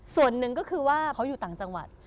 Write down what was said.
ส่วนหนึ่งก็คือว่าเขาอยู่ต่างจังหวัด